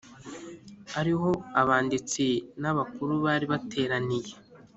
ari ho abanditsi n’abakuru bari bateraniye.